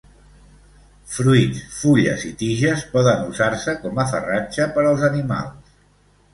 Fruits, fulles i tiges poden usar-se com a farratge per als animals.